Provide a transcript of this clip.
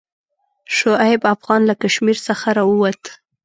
شعیب افغان له کشمیر څخه راووت.